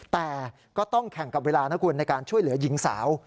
แต่ก็ต้องแข่งกับเวลานะคุณในการช่วยเหลือหญิงสาว